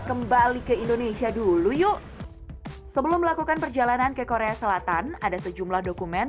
kembali ke indonesia dulu yuk sebelum melakukan perjalanan ke korea selatan ada sejumlah dokumen